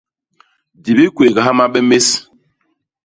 Di bikwégha mabe més.